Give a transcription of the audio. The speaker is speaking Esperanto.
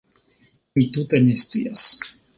Mi tute ne scias.